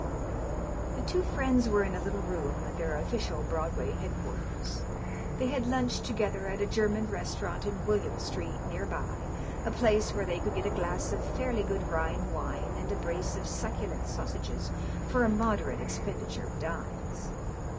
The two friends were in a little room at their official Broadway head quarters. They had lunched together at a German restaurant in William Street, near by, a place where they could get a glass of fairly good Rhine wine and a brace of succulent sausages for a moderate expenditure of dimes.